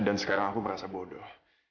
dan sekarang aku merasa bodoh